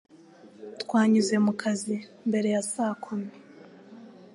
Twanyuze mu kazi mbere ya saa kumi